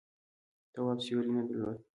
تواب سیوری نه درلود.